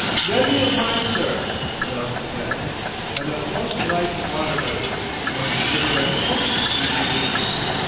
"Nevvy of mine, sir," announced the cabby; "and a fust ryte waterman; knows the river like a book, he do."